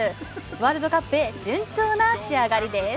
ワールドカップへ順調な仕上がりです。